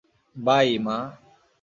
By, মা।